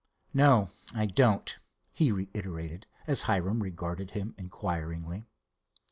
"No, I don't," he reiterated, as Hiram regarded him inquiringly.